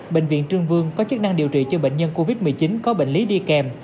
bệnh viện trương vương có chức năng điều trị cho bệnh nhân covid một mươi chín có bệnh lý đi kèm